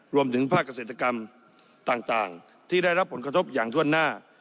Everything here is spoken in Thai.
รวมถึงภาคเกษตรกรรมต่างที่ได้รับผลกระทบอย่างถ้วนหน้า